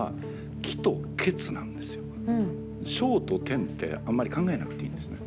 「承」と「転」ってあんまり考えなくていいんですね。